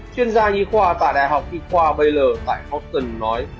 chuyên gia y khoa tại đại học y khoa baylor tại houston nói